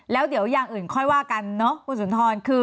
แล้วเดี๋ยวอย่างอื่นค่อยว่ากันเนาะคุณสุนทร